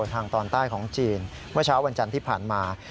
ทางตอนใต้ของจีนเมื่อเช้าวันจันทร์ที่ผ่านมา